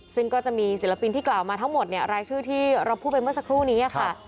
ซึ่งก็จะมีศิลปินที่กล่าวมาทั้งหมดเนี่ยรายชื่อที่เราพูดไปเมื่อสักครู่นี้ค่ะ